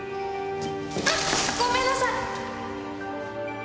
あっごめんなさい！